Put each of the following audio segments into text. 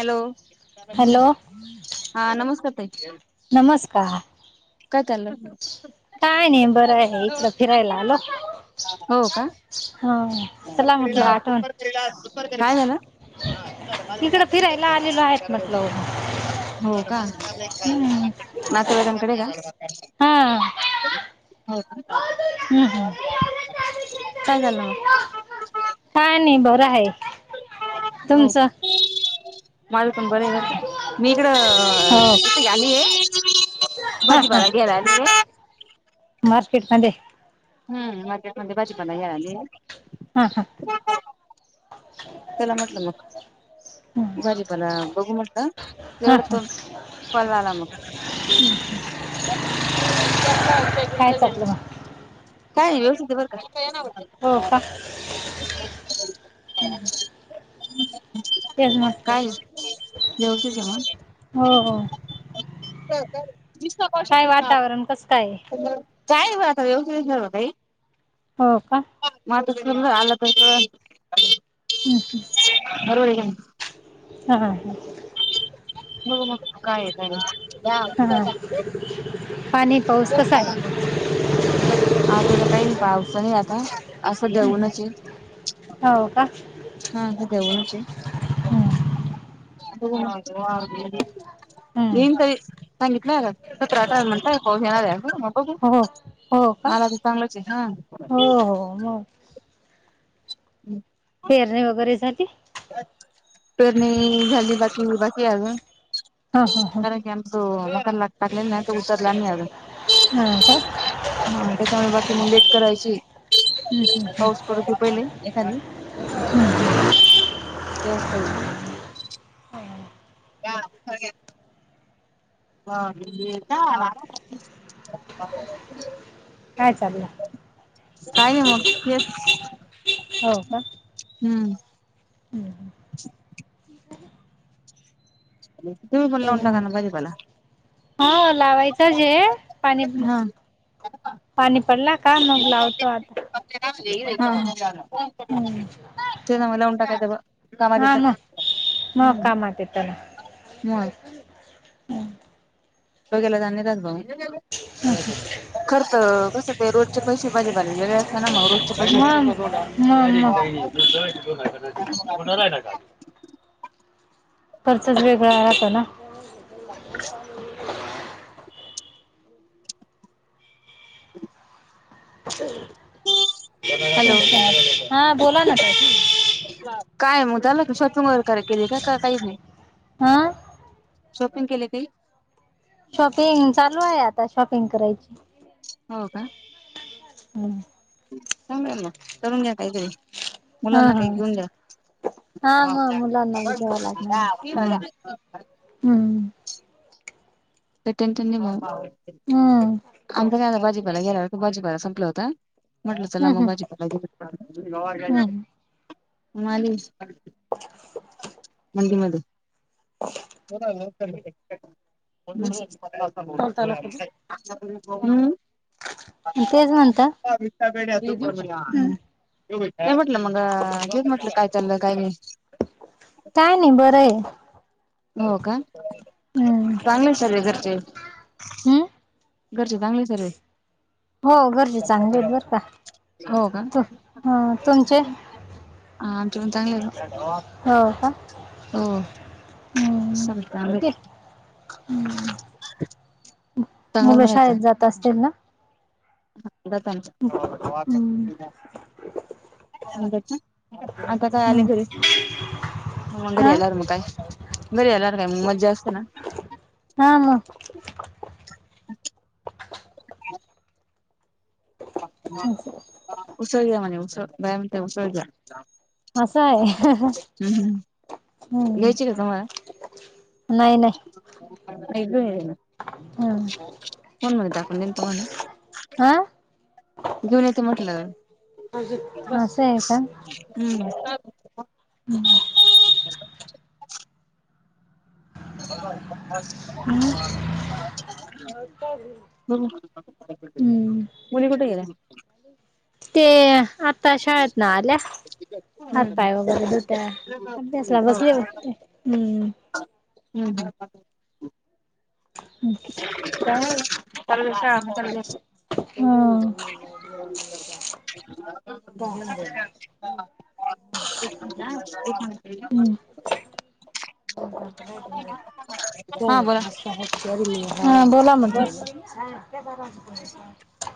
Hello hello हा नमस्कार ताई‌. नमस्कार‌. काय चाललं [unintelligible] नाही बरं आहे इकडं फिरायला आलो हो का हा चला [unintelligible] म्हटलं आठवण काय झालं? इकडं फिरायला आलेलो आहेत म्हटलं [unintelligible] हो का. हम्म भात वाल्याकडे जा हा [unintelligible] होय का हम्म हम्म काय झालं म का नाई बरं हाय. हो माझ कंपनी आहे बर का मी इकड हो कीती आलीये हा भाजीपाला घ्यायला आलले. मार्केट मध्ये हम्म मार्केटमध्ये भाजीपाला घ्यायला आले. हा हा त्याला म्हटलं मग हा भाजीपाला बघू मग हा एवढ हा तन कोलाला मग [unintelligible] ते आपला काय [unintelligible] चाललं मग काय व्यवस्थित हाय बर का [unintelligible] [inaudible] [inaudible] तेच म्हटलं [unintelligible] वीस ला हो हो पावशर तीस ला काय वातावरण अर्धा कसं काय आहे? पंधरा काय [unintelligible] हो का [unintelligible] हं हम् [unintelligible] हा हा हं हो हो काय आहे बघा हा पाणी पाऊस कसा आहे? आता तर काही पावत नाही आता असं हं हं. ऊनची आहे हो का? हा असं ऊनची आहे हं हो हं. येन तरी सांगितलंत आट म्हणटणार मला हो हो का? तर चांगलंच आहे हा हो हो मग हम्म पेरणे वगैरे झाले? पेरणी झाली बाकी बाकी आजून हा हा हा. कारण की आ हो व लागताले ना नाही त उतरला नाही आजून हा का हा त्याच्यामुळे बाकी मग लेट करायची हं हं हं हं. पाऊस पडू देत पहिले एखादी तेव करू ह हा का काय चाललं? काय नाही मग हे हो का ह तुम्ही पण लावून टाका ना भाजीपाला हो लावायचंच आहे पाणी ह का पाणी पडला का मग लावतो आता ते हं. काय म्हणले लावून टाकायचं कामात हा येतं मग मग काम असतेत त्याला मग आणि तो गेला जा भाऊ हम ह खर्च कसं ते रोजचे पैसे भाजी पाले वेगळे असते ना मग रोज आहे ना का खर्चच वेगळं आ राहतो ना? ह हॅलो हा बोला ना ताई काय मग झाला शॉपिंग वैगरे केली केली का काही नाही? हा शॉपिंग केली काही? शॉपिंग चालू आहे आता शॉपिंग करायची? हो का हम्म चांगला मग करून घ्या काहीतरी हा मुलांना हा काही घेऊन द्या. हा मग मुलांना बी घ्यावं लागणार हा हम्म टेन्शन नाही बा हम्म आमचं काय आता भाजीपाला गेला का भाजीपाला संपल होता. म्हटलं चला हम्म मग हम्म भाजीपाला हम्म थंडीमध्ये ् ह कोणता नको ते तेच म्हणता विठापेडेत पण नाही म्हटलं मग तेच म्हटलं काय चाललं काही नाही. काय नाही बरं आहे. हो का हम्म चांगले सगळे घरचे हम्म घरचे चांगले सर्व? हो घरचे चांगले आहेत बरं का हो का त हा तुमचे? हा तुमी चांगले हे? हो का हो. [unintelligible] मिठ हम्म मुलं शाळेत जात आसतील ना? हा [unintelligible] हम्म आता काय आले हम्म घरी म [unintelligible] हा मग काय? घरी येल्यार काय मज्जा असते ना? हा म उसळ घ्या मणे उसळ बया म्हणते उसळ घ्या. आस हाय हम् हम्म घ्यायची का तुम्हाला नाही नाही. नाही बाई हम्म कोण म्हनता दाखवून देन तुम्हाला? हा घेऊन येते म्हटलं. असे आहे का? हम् हम् [inaudible] [inaudible] हम्म बघू हम्म मुली कुठे गेल्या? ते आता शाळेतन आल्या. हम्म हातपाय वगैरे धुताय अभ्यासला हो बसले होते हम्म. हुं, हुं हुं काय चालू शा चालू झाली. हम्म [unintelligible] [unintelligible] [unintelligible] [unintelligible] हा बोला म्ह बस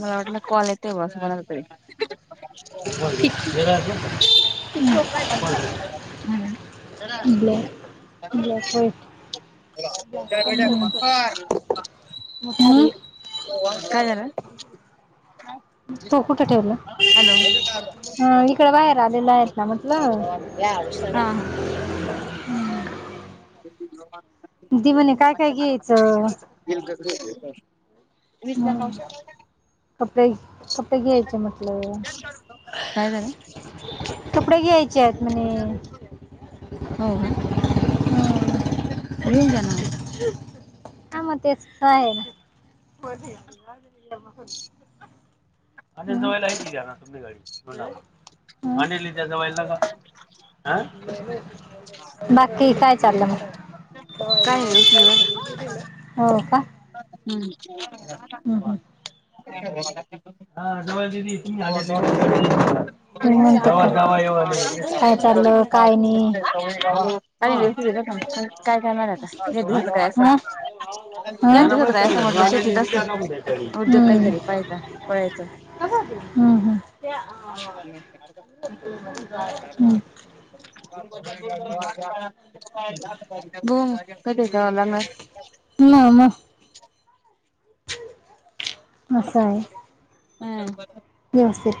मला वाटल कॉलेज ते बस म्हणत होते. [inaudible] ब्लॅक, ब्लॅक, व्हाईट हुं काय जणार. तो कुठं ठेवलं अ इकड बाहेर आलेला आहेत ना म्हटल. या हा ह. दि म्हणे काय काय घ्यायचं. [unintelligible] कपडे-कपडे घ्यायचे म्हटलं. काय झालं कपडे घ्यायचे आहेत म्हणे. हो का? घेऊन जा ना मग. हा मग तेच आहे ना. अ जवयला त ना तुमच्या गाडी. होणा मणलेत्याव एलाग हह. बाकी काय चाललं मग? काय उचली ब. हो का हम्म. [unintelligible] [unintelligible] आणि म्हणता काय चाललं काय नाही हा व्यवस्थित घेत काय कारणार आता हा काय असंत याच हम्म दिवसात काय असं म्हटलं शेतीत असते उद्योग काहीतरी पळायचा पळायचं. हम्म हम्म हम्म. हो कधी येताव लग्नात? लग्नात. [inaudible] हम. नमस्ते!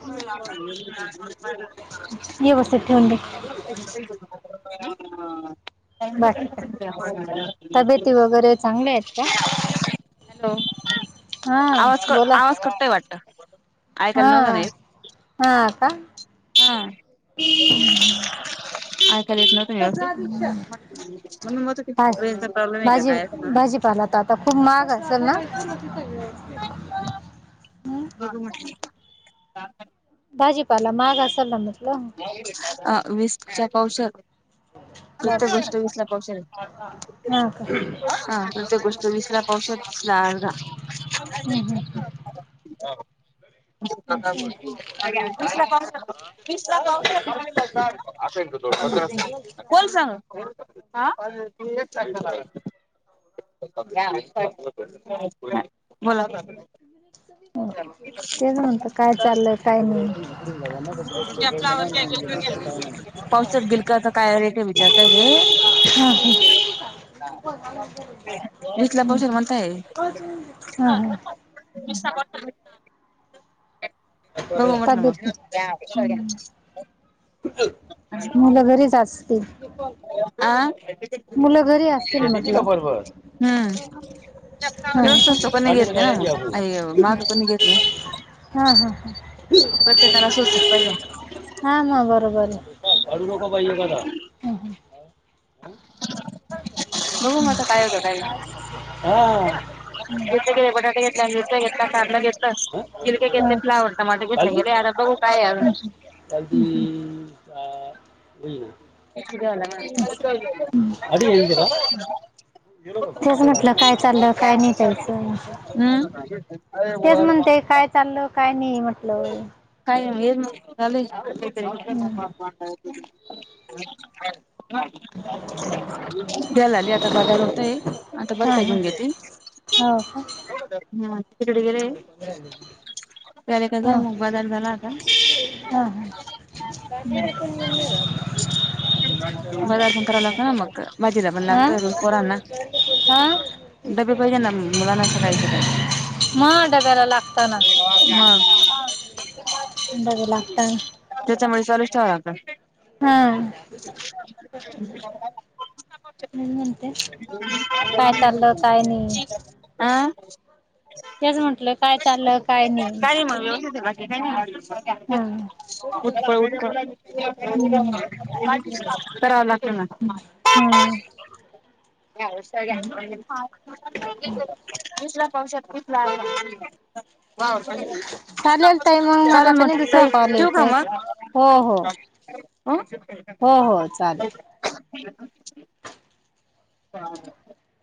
[inaudible] व्यवस्थित ठेवून घ्या. [unintelligible] [unintelligible] [unintelligible] हॅलो बाकी का तब्येती वगैरे चांगल्या आहेत का हा आवाज बोला आवाज कटतोय वाटत ऐकायला नव्हतं ना येत. हां का. ऐकाला येत नव्हत म्हणून म्हणत भा होते रेंजचा प्रॉब्लेम भाजी आहे का? असं भाजीपाला तर आता खूप महाग असेल ना? हं? बघू म्हटलं. भाजीपाला महाग असेल ना म्हटलं अ वीसच्या पावसात प्रत्येक बापरे गोष्ट विसर हा का [unintelligible] हा. प्रत्येक गोष्ट वीसला पावशेर तीसाला अर्धा. हं, हं. असं आहे का? [unintelligible] तीस लाखा हं, [unintelligible] हं. कोण सांग? आ [unintelligible] [unintelligible] बोला बोला बोला. [unintelligible] तेच म्हणतं काय चाललंय काय नाही? [unintelligible] पावसात बिलकाचा काय रेट‌ हाय? चहा पाहिजे? हा हा [unintelligible] वीसला हं, पावशेर हं. म्हणताय. हा [unintelligible] [unintelligible] [unintelligible] मुलं घरीच असतील? आ? मुलं घरी असतील शेती का म्हटलं बरोबर हम्म. एवढं हा का स्वस्त कोणी घेत अंडर नाही ना गाड्या घ्या भाऊ मग, महाग कोणी घेत नाही. हा हा हा परत त्याला सोतल, पहिज हा ना, बरोबर आहे. हं, हं, बघू हं. मग काय होतंय हा हा? त्याने, [unintelligible] मिरचा घेतला, कांदा घेतला, गिरक्या घेतले, हा. फ्लावर टमाटर चालती घेतले आता बघू काय. [inaudible] किती असं. आधी झाला यांचे का माझं? तेच म्हटलं काय चाललं काय नाही ताईचं? तेच हम्म म्हणते काय चाललं, काय नाही म्हटलं. काय मग काय झालंय [unintelligible] हं. [unintelligible] घ्यायला आली आता बाजार होतंय आता हा बत्या हा घेऊन घेती. हो हा, हम तिकडे गेले, [unintelligible] का हा मग बजार झाला आता, हा [unintelligible] [unintelligible] [unintelligible] पण कराव लागतो ना मग बाजीला पण हा हा लागत रोज पोरना, हा डबे पाहिजे ना, मुलांना सकाळी, सकाळी, मा डबा म [unintelligible] [unintelligible] बघू लागत त्याच्यामुळे चालूच ठेवाव लागत, हा, म्हणते काय चाललं काय नाही [unintelligible] [unintelligible] आं, तेच म्हंटलं काय का चाललं काय नाही म, वेवस्तीत बाकी काय नाही. हा हम्म [unintelligible] कराव लागत, हम, [unintelligible] [unintelligible] चालेल ताई चाल मला मग कणी दुसरा ताई कॉल ठेऊ येत का मग, हो, हो, हा, हो, हो चालेल. [unintelligible]